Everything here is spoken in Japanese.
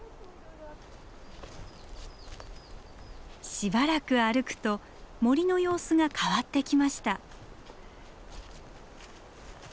しばらく歩くと森の様子が変わってきました。